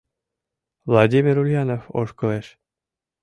Владимир Ульянов ошкылеш.